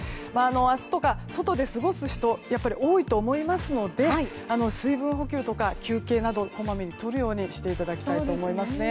明日とか、外で過ごす人が多いと思いますので水分補給とか休憩などこまめにとるようにしていただきたいですね。